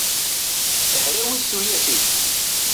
Hrawit tuyat-ik!